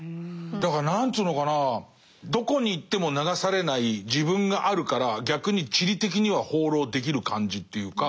だから何つうのかなどこに行っても流されない自分があるから逆に地理的には放浪できる感じっていうか。